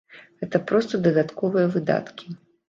Гэта проста дадатковыя выдаткі.